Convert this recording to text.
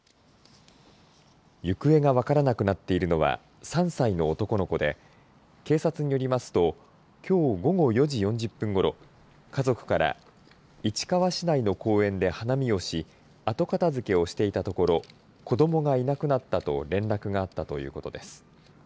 行方が分からなくなっているのは３歳の男の子で警察によりますときょう午後４時４０分ごろ家族から市川市内の公園で花見をし後片づをしていたところ子どもがいなくなったと連絡があったということです。